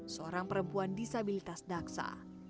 seorang perempuan disabilitas daksa